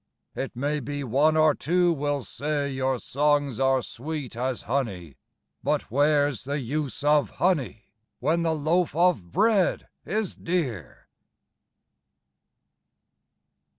It may be one or two will say your songs are sweet as honey, But where's the use of honey, when the loaf of bread is dear?